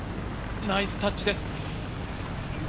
ナイスタッチです。